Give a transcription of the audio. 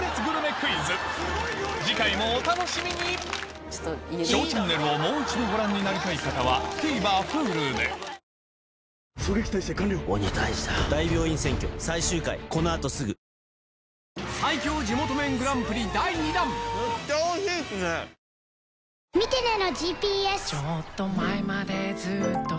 クイズ次回もお楽しみに『ＳＨＯＷチャンネル』をもう一度ご覧になりたい方はＴＶｅｒＨｕｌｕでずーっと雪ならいいのにねー！